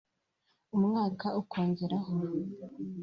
umwaka ukongeraho